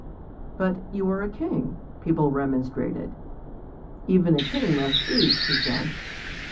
"But you are a king," people remonstrated. "Even a king must eat," he said.